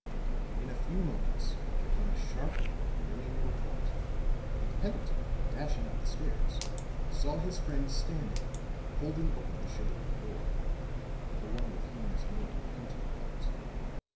In a few moments there came a sharp, ringing report, and Pendleton, dashing up the stairs, saw his friend standing holding open the showroom door the one with Hume's name painted upon it.